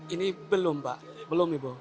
ini belum pak belum ibu